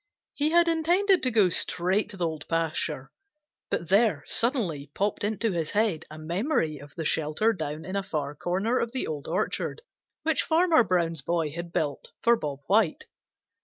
He had intended to go straight to the Old Pasture, but there suddenly popped into his head a memory of the shelter down in a far corner of the Old Orchard which Farmer Brown's boy had built for Bob White.